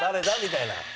誰だ？